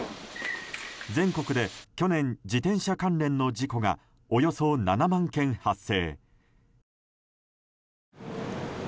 全国で去年、自転車関連の事故がおよそ７万件発生。